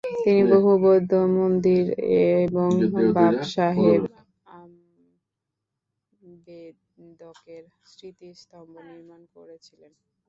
তিনি বহু বৌদ্ধ মন্দির এবং বাবসাহেব আম্বেদকের স্মৃতিস্তম্ভ নির্মাণ করেছিলেন।